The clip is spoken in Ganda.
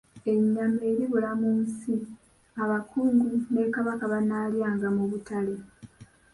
Ennyama eribula mu nsi, Abakungu ne Kabaka banaalyanga mu butale.